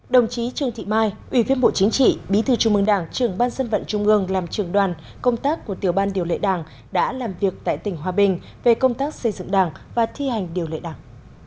đồng chí trương thị mai ủy viên bộ chính trị bí thư trung mương đảng trưởng ban dân vận trung ương làm trường đoàn công tác của tiểu ban điều lệ đảng đã làm việc tại tỉnh hòa bình về công tác xây dựng đảng và thi hành điều lệ đảng